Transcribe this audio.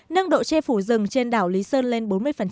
nâng độ che phủ rừng trên đảo lý sơn lên bốn mươi